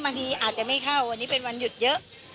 อาจจะไม่เข้าวันนี้เป็นวันหยุดเยอะ